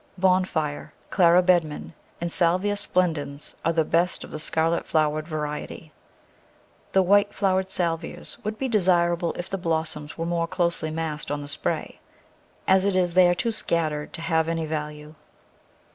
Bonfire, Clara Bedman, and S. splen dens are the best of the scarlet flowered variety. The white flowered Salvias would be desirable if the blos soms were more closely massed on the spray; as it is they are too scattered to have any value.